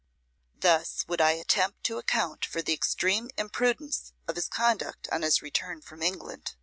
Thus would I attempt to account for the extreme imprudence of his conduct on his return from England.